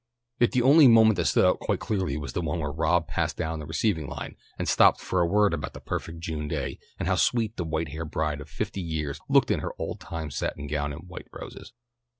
Yet the only moment that stood out quite clearly was the one when Rob passed down the receiving line and stopped for a word about the perfect June day, and how sweet the white haired bride of fifty years looked in her old time satin gown and white roses.